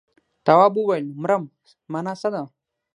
تواب وويل: مرم مانا څه ده.